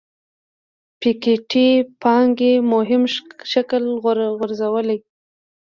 پيکيټي پانګې مهم شکل غورځولی.